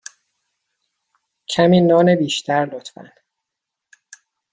کمی نان بیشتر، لطفا.